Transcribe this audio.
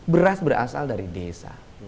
beras berasal dari desa